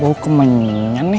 bau kemeningan nih